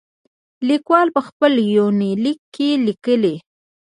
ليکوال په خپل يونليک کې ليکي.